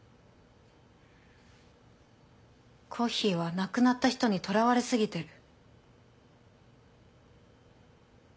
コッヒーは亡くなった人にとらわれ過ぎてる。